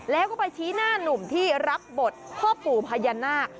แล้วก็ไปชี้หน้าหนุ่มที่รับบทพ่อปู่พญานาค